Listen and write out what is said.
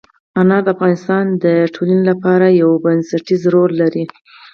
انار د افغانستان د ټولنې لپاره یو بنسټيز رول لري.